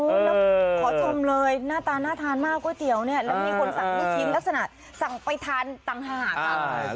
แล้วขอชมเลยหน้าตาน่าทานมากก๋วยเตี๋ยวเนี่ยแล้วมีคนสั่งลูกชิ้นลักษณะสั่งไปทานต่างหาก